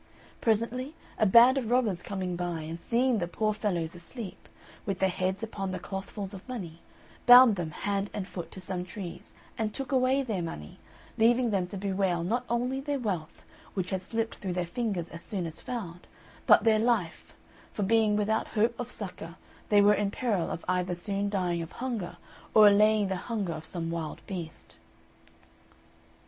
Presently a band of robbers coming by, and seeing the poor fellows asleep, with their heads upon the clothfuls of money, bound them hand and foot to some trees and took away their money, leaving them to bewail not only their wealth which had slipped through their fingers as soon as found but their life; for being without hope of succour, they were in peril of either soon dying of hunger or allaying the hunger of some wild beast.